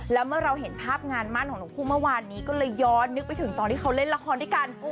แล้วเมื่อเราเห็นภาพงานมั่นของทั้งคู่เมื่อวานนี้ก็เลยย้อนนึกไปถึงตอนที่เขาเล่นละครด้วยกัน